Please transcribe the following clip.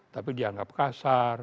tapi dianggap kasar